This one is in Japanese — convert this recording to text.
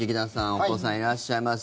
お子さんいらっしゃいます。